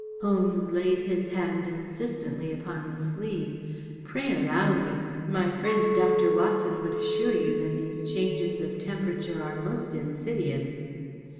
Holmes laid his hand insistently upon the sleeve. " Pray allow me ! My friend Dr. Watson would assure you that these changes of tem¬ perature are most insidious."